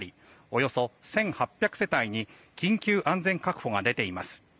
およそ１８００世帯に緊急安全確保が出ています。